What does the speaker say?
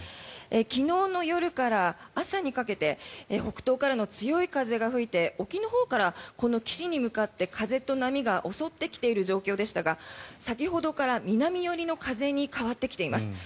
昨日の夜から朝にかけて北東からの強い風が吹いて沖のほうから岸に向かって雨と風が襲ってきている状況でしたが先ほどから南寄りの風に変わってきています。